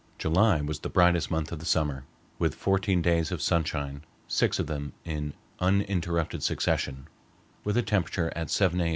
July was the brightest month of the summer, with fourteen days of sunshine, six of them in uninterrupted succession, with a temperature at 7 A.